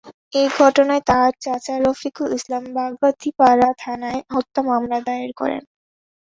এ ঘটনায় তাঁর চাচা রফিকুল ইসলাম বাগাতিপাড়া থানায় হত্যা মামলা দায়ের করেন।